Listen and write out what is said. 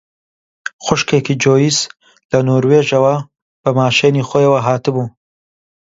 خوشکێکی جۆیس لە نۆروێژەوە بە ماشێنی خۆیەوە هاتبوو